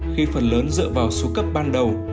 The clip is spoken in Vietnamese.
khi phần lớn dựa vào số cấp ban đầu